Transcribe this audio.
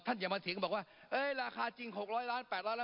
อย่ามาเถียงบอกว่าราคาจริง๖๐๐ล้าน๘๐๐ล้าน